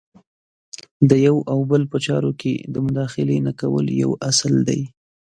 د یو او بل په چارو کې د مداخلې نه کول یو اصل دی.